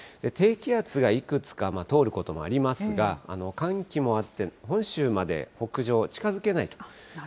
低気圧がいくつか通ることもありますが、寒気もあって、本州まで北上、近づけないと。